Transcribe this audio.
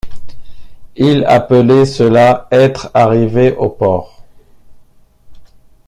Il appelait cela: être arrivé au port!